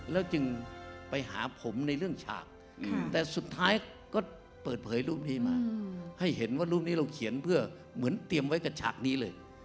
แล้วจึงไปหาผมในเรื่องฉากแต่สุดท้ายก็เปิดเผยรูปนี้มาให้เห็นว่ารูปนี้เราเขียนเพื่อเหมือนเตรียมไว้กับฉากนี้เลย